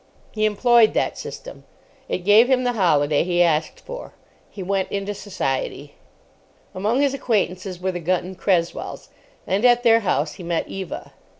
He employed that system. It gave him the holiday he asked for. He went into Society. Among his acquaintances were the Gunton Cresswells, and at their house he met Eva.